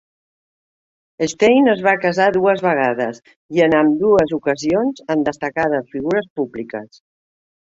Stein es va casar dues vegades, i en ambdues ocasions amb destacades figures públiques.